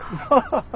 ハハハハ！